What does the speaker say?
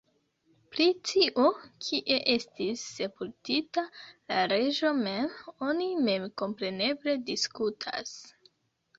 Pri tio, kie estis sepultita la reĝo mem, oni memkompreneble diskutas.